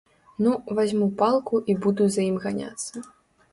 Ну, вазьму палку і буду за ім ганяцца.